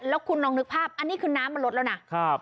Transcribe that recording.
แล้วคุณลองนึกภาพอันนี้คือน้ำมันลดแล้วนะ